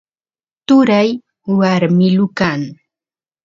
turay warmilu kan